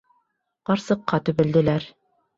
Ҡарсыҡҡа төбәлделәр.